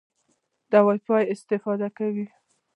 د وای فای استفاده کوئ؟